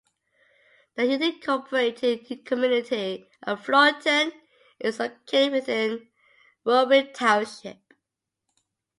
The unincorporated community of Florenton is located within Wuori Township.